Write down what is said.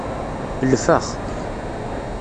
Lfex.